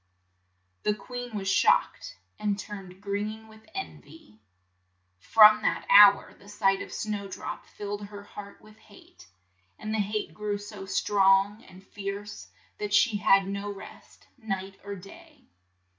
The queen was shocked, and turned green with en vy. From that hour the sight of Snow drop rilled her heart with hate ; and the hate grew so strong and fierce that she had no rest night or day.